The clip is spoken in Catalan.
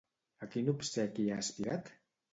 A quin obsequi ha aspirat?